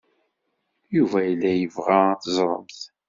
Yuba yella yebɣa ad teẓremt.